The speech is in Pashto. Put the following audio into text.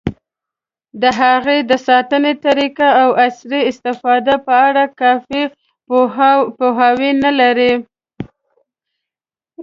د هغې د ساتنې طریقو، او عصري استفادې په اړه کافي پوهاوی نه لري.